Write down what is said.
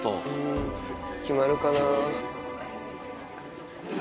決まるかな？